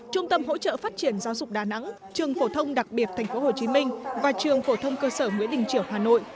trung tâm hỗ trợ phát triển giáo dục đà nẵng trường phổ thông đặc biệt tp hcm và trường phổ thông cơ sở nguyễn đình triều hà nội